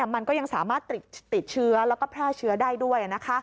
มันก็ยังสามารถติดเชื้อแล้วก็แพร่เชื้อได้ด้วย